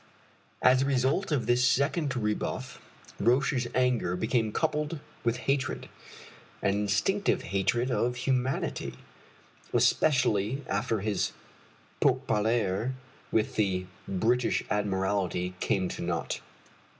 As the result of this second rebuff Roch's anger became coupled with hatred an instinctive hatred of humanity especially after his pourparlers with the British Admiralty came to naught.